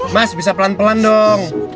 mas bisa pelan pelan dong